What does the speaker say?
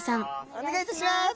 お願いいたします。